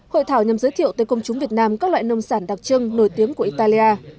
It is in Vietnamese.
hội thảo nhằm giới thiệu tới công chúng việt nam các loại nông sản đặc trưng nổi tiếng của italia